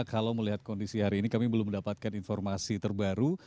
kalau melihat kondisi hari ini kami belum mendapatkan informasi terbaru